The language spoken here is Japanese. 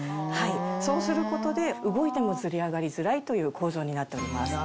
そうすることで動いてもずり上がりづらいという構造になっております。